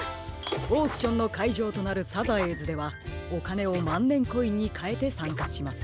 オークションのかいじょうとなるサザエーズではおかねをまんねんコインにかえてさんかします。